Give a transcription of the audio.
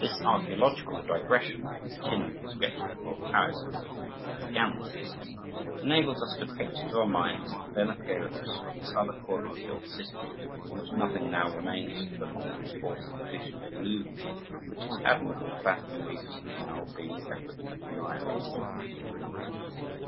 This archaeological digression (continuing the sketches of old Paris with which we began this history) enables us to picture to our minds the then appearance of this other corner of the old city, of which nothing now remains but Henri IV.'s addition to the Louvre, with its admirable bas reliefs, now being rapidly annihilated.